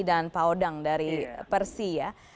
dan pak odang dari persi